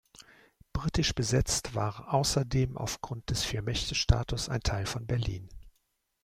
Britisch besetzt war außerdem aufgrund des Viermächte-Status ein Teil von Berlin.